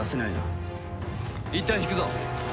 いったん引くぞ。